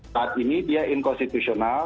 saat ini dia inkonstitusional